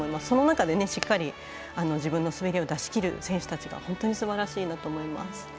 その中でしっかり自分の滑りを出しきる選手がすばらしいと思います。